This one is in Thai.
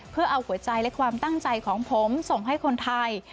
เพื่อเอาหัวใจและความตั้งใจของผมส่งให้คนไทย